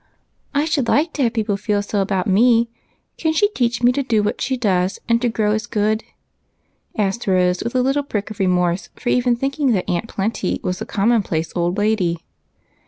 " I should like to have people feel so about me. Can she teach me to do what she does, and to grow as good ?" asked Rose, Avith a little prick of remorse for even thinking that Aunt Plenty was a commonplace old lady.